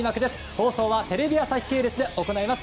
放送はテレビ朝日系列で行います。